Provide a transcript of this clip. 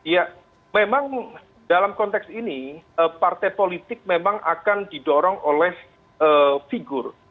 ya memang dalam konteks ini partai politik memang akan didorong oleh figur